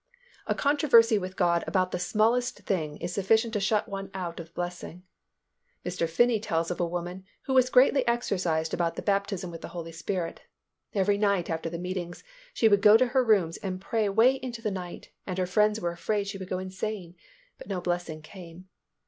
A controversy with God about the smallest thing is sufficient to shut one out of the blessing. Mr. Finney tells of a woman who was greatly exercised about the baptism with the Holy Spirit. Every night after the meetings, she would go to her rooms and pray way into the night and her friends were afraid she would go insane, but no blessing came.